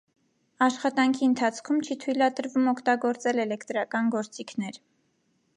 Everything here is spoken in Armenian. Աշխատանքի ընթացքում չի թույլատրվում օգտագործել էլեկտրական գործիքներ։